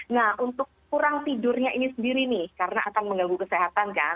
nah untuk kurang tidurnya ini sendiri nih karena akan mengganggu kesehatan kan